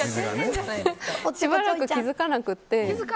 しばらく気づかなくて。